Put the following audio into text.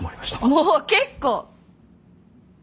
もう結構！